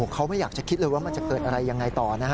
เขาไม่อยากจะคิดเลยว่ามันจะเกิดอะไรยังไงต่อนะฮะ